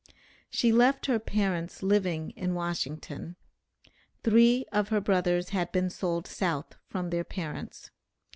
She left her parents living in Washington. Three of her brothers had been sold South from their parents.